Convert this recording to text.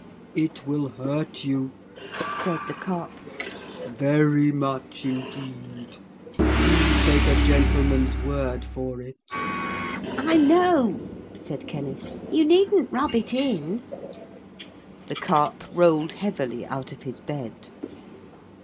'It will hurt you,' said the Carp, 'very much indeed. You take a gentleman's word for it.' 'I know,' said Kenneth, 'you needn't rub it in.' The Carp rolled heavily out of his bed.